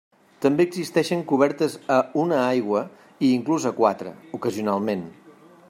També existixen cobertes a una aigua i inclús a quatre, ocasionalment.